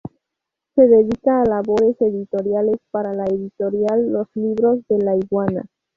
Se dedica a labores editoriales para la Editorial Los libros de la Iguana.